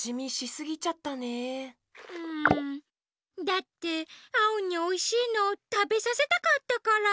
だってアオにおいしいのたべさせたかったから。